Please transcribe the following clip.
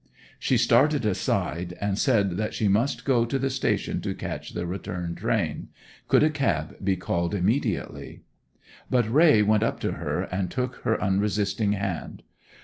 She started aside, and said that she must go to the station to catch the return train: could a cab be called immediately? But Raye went up to her, and took her unresisting hand.